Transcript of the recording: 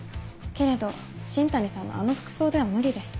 けれど新谷さんのあの服装では無理です。